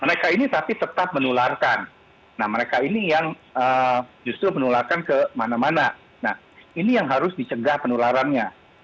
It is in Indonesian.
mereka ini tapi tetap menularkan nah mereka ini yang justru menularkan kemana mana nah ini yang harus dicegah penularannya